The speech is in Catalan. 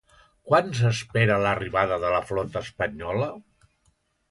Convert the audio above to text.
Quan s'espera l'arribada de la flota espanyola?